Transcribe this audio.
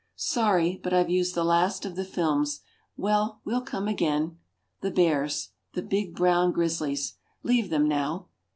Sorry, but I've used the last of the films. Well, we'll come again. The bears, the big brown grizzlies, leave them now.